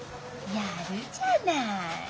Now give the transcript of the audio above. やるじゃない。